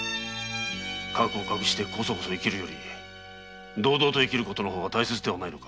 過去を隠してコソコソ生きるより堂々と生きることの方が大切ではないのか。